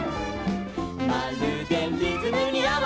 「まるでリズムにあわせて」